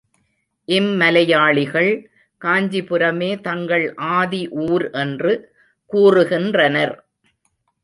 இம்மலையாளிகள், காஞ்சிபுரமே தங்கள் ஆதி ஊர் என்று கூறுகின்றனர்.